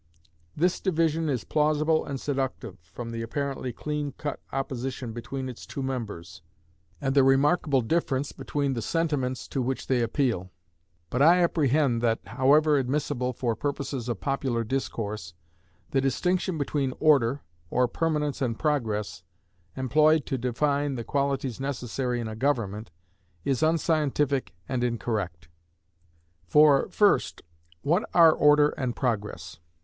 This division is plausible and seductive, from the apparently clean cut opposition between its two members, and the remarkable difference between the sentiments to which they appeal. But I apprehend that (however admissible for purposes of popular discourse) the distinction between Order, or Permanence and Progress, employed to define the qualities necessary in a government, is unscientific and incorrect. For, first, what are Order and Progress?